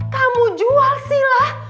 kamu jual silla